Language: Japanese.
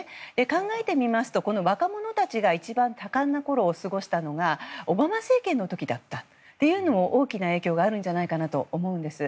考えてみますと若者たちが一番多感なころを過ごしたのがオバマ政権の時だったというのも大きな影響があるんじゃないかと思うんです。